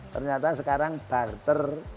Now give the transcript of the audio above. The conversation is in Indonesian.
ternyata sekarang barter